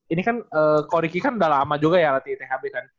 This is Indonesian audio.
ini kan koryki kan udah lama juga ya latihan